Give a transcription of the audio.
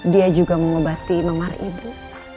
dia juga mengobati memar ibu